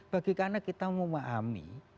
bagi karena kita memahami